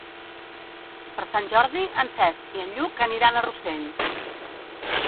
Per Sant Jordi en Cesc i en Lluc aniran a Rossell.